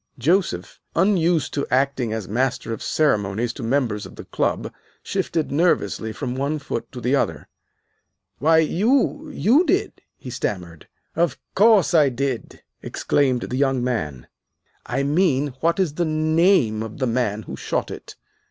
Joseph, unused to acting as master of ceremonies to members of the Club, shifted nervously from one foot to the other. "Why, you you did," he stammered. "Of course I did!" exclaimed the young man. "I mean, what is the name of the man who shot it!